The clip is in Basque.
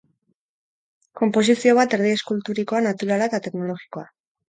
Konposizio bat erdi eskulturikoa, naturala eta teknologikoa.